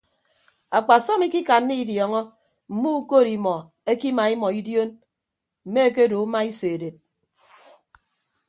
Akpasọm ikikanna idiọọñọ mme ukod imọ ekima imọ idion mme ekedo uma iso edet.